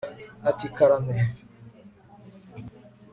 ati karame